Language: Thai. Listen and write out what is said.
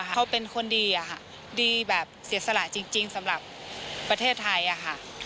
เขาเป็นคนดีอะค่ะดีแบบเสียสละจริงสำหรับประเทศไทยอะค่ะ